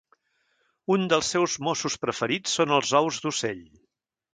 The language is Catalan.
Un dels seus mossos preferits són els ous d'ocell.